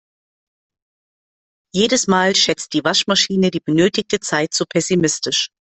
Jedes Mal schätzt die Waschmaschine die benötigte Zeit zu pessimistisch.